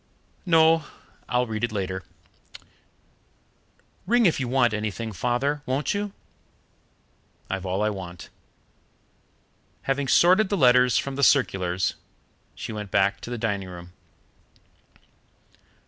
"No, I'll read it later." "Ring if you want anything, Father, won't you?" "I've all I want." Having sorted the letters from the circulars, she went back to the dining room.